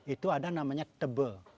itu ada namanya tebe